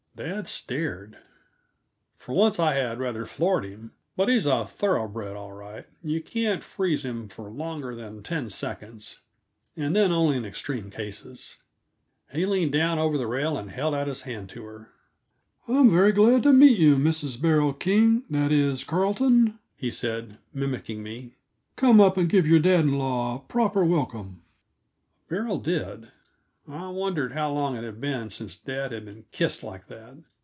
Dad stared. For once I had rather floored him. But he's a thoroughbred, all right; you can't feaze him for longer than ten seconds, and then only in extreme cases. He leaned down over the rail and held out his hand to her. "I'm very glad to meet you, Mrs. Beryl King that is, Carleton," he said, mimicking me. "Come up and give your dad in law a proper welcome." Beryl did. I wondered how long it had been since dad had been kissed like that.